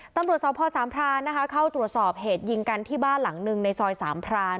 ตำรวจสพสามพรานนะคะเข้าตรวจสอบเหตุยิงกันที่บ้านหลังหนึ่งในซอยสามพราน